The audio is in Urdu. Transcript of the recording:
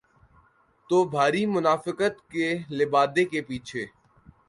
تو بھاری منافقت کے لبادے کے پیچھے۔